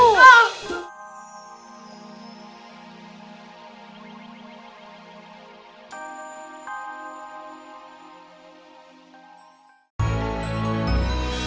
dari masa takut